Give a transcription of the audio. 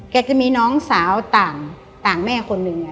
จะมีน้องสาวต่างแม่คนหนึ่ง